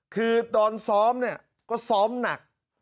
คือตอนซ้อมเนี่ยก็ซ้อมหนัก